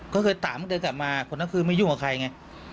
ก็เคยถามเดินกลับมาคนนั้นคือไม่ยุ่งกับใครไง